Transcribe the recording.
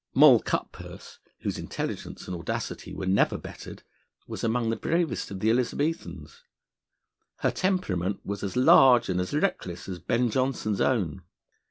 Moll Cutpurse, whose intelligence and audacity were never bettered, was among the bravest of the Elizabethans. Her temperament was as large and as reckless as Ben Jonson's own.